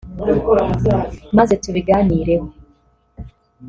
maze tubiganireho